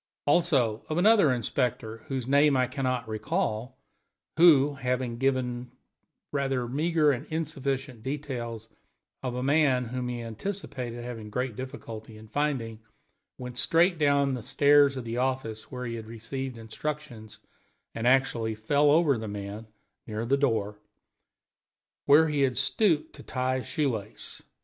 Also of another inspector, whose name I can not recall, who, having been given rather meager and insufficient details of a man whom he anticipated having great difficulty in finding, went straight down the stairs of the office where he had received instructions, and actually fell over the man near the door, where he had stooped down to tie his shoe lace!